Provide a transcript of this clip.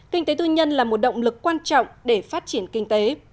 kinh tế tư nhân là một động lực quan trọng để phát triển kinh tế